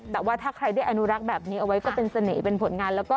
แต่ว่าถ้าใครได้อนุรักษ์แบบนี้เอาไว้ก็เป็นเสน่ห์เป็นผลงานแล้วก็